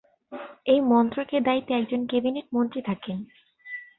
এই মন্ত্রকের দায়িত্বে একজন ক্যাবিনেট মন্ত্রী থাকেন।